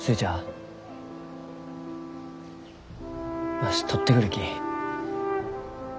わし採ってくるき。